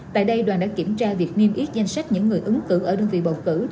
tại đây đoàn đã kiểm tra việc niêm yết danh sách những người ứng cử ở đơn vị bầu cử